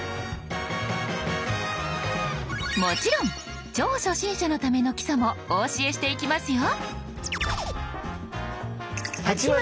もちろん超初心者のための基礎もお教えしていきますよ。